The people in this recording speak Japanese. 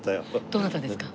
どなたですか？